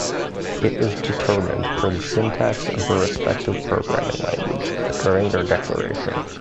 It is determined per the syntax of the respective programming language during their declaration.